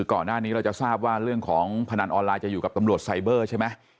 ก่อนหน้านี้เราจะทราบว่าเรื่องของพนันออนไลน์จะอยู่กับตำรวจไซเบอร์ใช่ไหม